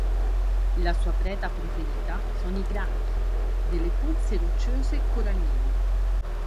La sua preda preferita sono i granchi delle pozze rocciose e coralline.